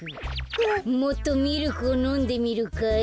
もっとミルクをのんでみるかい？